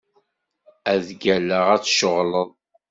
Ad d-ggalleɣ ar tceɣleḍ.